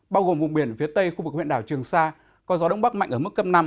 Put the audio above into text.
bao gồm vùng biển phía tây khu vực huyện đảo trường sa có gió đông bắc mạnh ở mức cấp năm